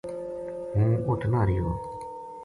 ہوں اُت نہ رہیو